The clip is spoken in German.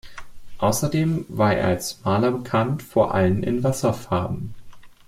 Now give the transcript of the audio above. Außerdem war er als Maler bekannt, vor allem in Wasserfarben.